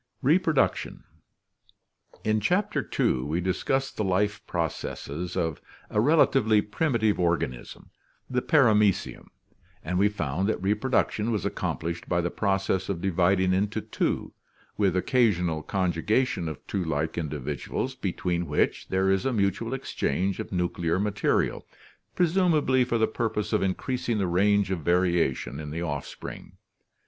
REPRODUCTION In Chapter II we discussed the life processes of a relatively primi tive organism, the Paramecium, and we found that reproduction was accomplished by the process of dividing into two, with occa sional conjugation of two like individuals between which there is a mutual exchange of nuclear material, presumably for the purpose 193 194 ORGANIC EVOLUTION of increasing the range of variation in the offspring.